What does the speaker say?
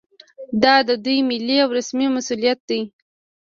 دا د دوی ملي او رسمي مسوولیت دی